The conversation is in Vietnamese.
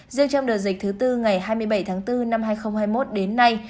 riêng trong đợt dịch thứ tư ngày hai mươi bảy tháng bốn năm hai nghìn hai mươi một đến nay